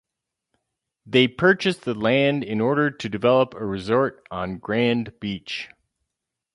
They purchased the land in order to develop a resort on Grand Beach.